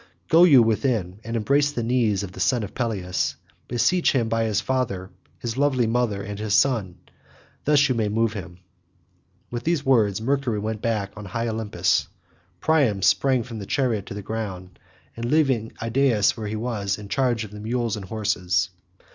Go you within, and embrace the knees of the son of Peleus: beseech him by his father, his lovely mother, and his son; thus you may move him." With these words Mercury went back to high Olympus. Priam sprang from his chariot to the ground, leaving Idaeus where he was, in charge of the mules and horses.